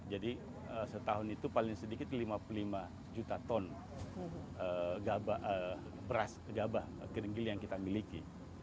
jadi setahun itu paling sedikit lima puluh lima juta ton beras gabah keringgil yang kita miliki